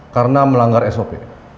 karena melanggar sop